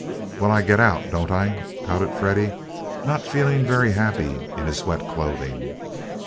"Well, I get out, don't I?" pouted Freddie, not feeling very happy in his wet clothing.